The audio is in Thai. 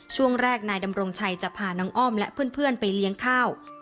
ช่วงแรกนายดำรงชัยจะพาน้องอ้อมและเพื่อนไปเลี้ยงข้าว